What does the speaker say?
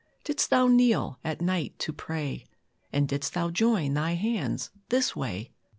Didst Thou kneel at night to pray, And didst Thou join Thy hands, this way?